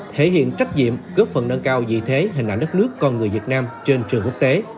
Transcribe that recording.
thể hiện trách nhiệm góp phần nâng cao vị thế hình ảnh đất nước con người việt nam trên trường quốc tế